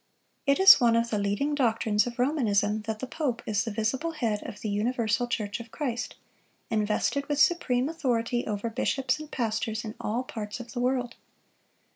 It is one of the leading doctrines of Romanism that the pope is the visible head of the universal church of Christ, invested with supreme authority over bishops and pastors in all parts of the world.